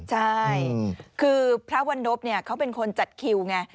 ใช่คือพระวันนบเขาเป็นคนจัดคิวไง